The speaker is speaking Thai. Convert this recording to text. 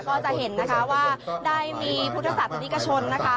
ก็จะเห็นนะคะว่าได้มีพุทธศาสนิกชนนะคะ